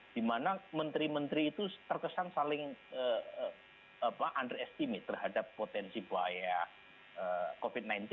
dimana menteri menteri itu terkesan saling underestimate terhadap potensi bahaya covid sembilan belas